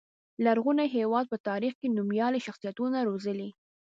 لرغوني هېواد په تاریخ کې نومیالي شخصیتونه روزلي.